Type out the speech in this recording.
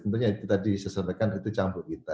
tentunya itu tadi saya sampaikan itu campur kita